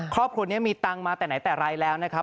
ครอบครัวนี้มีตังค์มาแต่ไหนแต่ไรแล้วนะครับ